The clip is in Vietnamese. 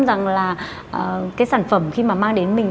rằng là cái sản phẩm khi mà mang đến mình